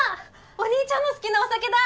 お兄ちゃんの好きなお酒だ！